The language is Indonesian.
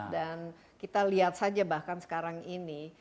dan kita lihat saja bahkan sekarang ini